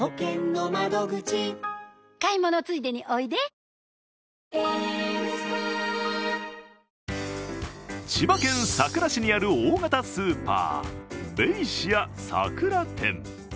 本麒麟千葉県佐倉市にある大型スーパー、ベイシア佐倉店。